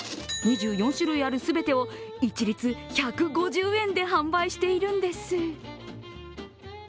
２４種類ある全てを一律１５０円で販売しているんです。